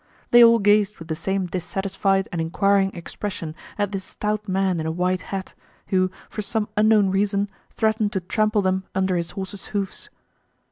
They all gazed with the same dissatisfied and inquiring expression at this stout man in a white hat, who for some unknown reason threatened to trample them under his horse's hoofs.